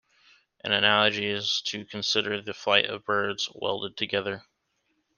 An analogy is to consider the flight of birds 'welded' together.